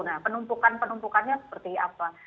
nah penumpukan penumpukannya seperti apa